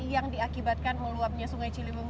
yang diakibatkan meluapnya sungai ciliwung